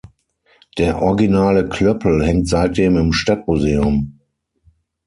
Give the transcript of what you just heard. Der originale Klöppel hängt seitdem im Stadtmuseum.